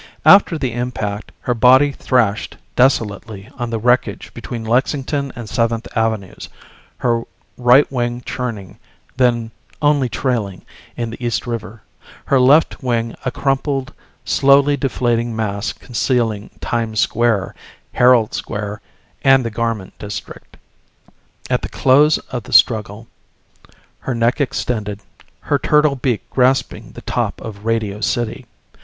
After the impact her body thrashed desolately on the wreckage between Lexington and Seventh Avenues, her right wing churning, then only trailing, in the East River, her left wing a crumpled slowly deflating mass concealing Times Square, Herald Square and the garment district. At the close of the struggle her neck extended, her turtle beak grasping the top of Radio City.